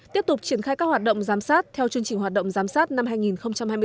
tiếp tục triển khai các hoạt động giám sát theo chương trình hoạt động giám sát năm hai nghìn hai mươi bốn